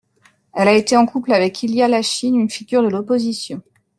Elle a été en couple avec Ilia Iachine, une figure de l'opposition.